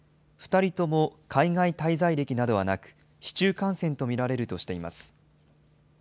２人とも海外滞在歴などはなく、市中感染と見られるとしています。